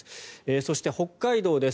そして、北海道です。